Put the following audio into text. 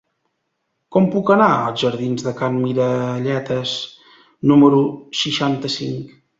Com puc anar als jardins de Can Miralletes número seixanta-cinc?